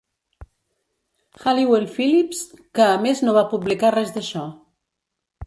Halliwell-Phillips, que a més no va publicar res d'això.